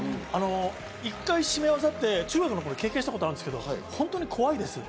一回、絞め技って中学の時経験したんですけど、本当に怖いんです。